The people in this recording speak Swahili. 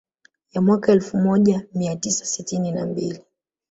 Ya mwaka elfu moja mia tisa sitini na mbili